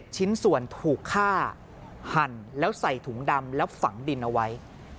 ชิ้นส่วนถูกฆ่าหั่นแล้วใส่ถุงดำแล้วฝังดินเอาไว้